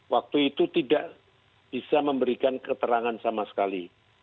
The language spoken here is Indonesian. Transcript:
waktu itu tidak bisa memberikan keterangan sama sekali